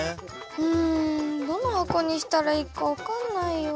うんどの箱にしたらいいか分かんないよ。